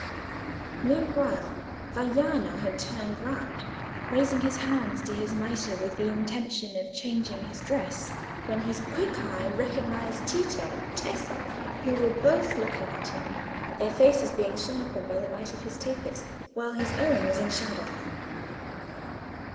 Meanwhile Vaiano had turned round, raising his hands to his mitre with the intention of changing his dress, when his quick eye recognised Tito and Tessa who were both looking at him, their faces being shone upon by the light of his tapers, while his own was in shadow.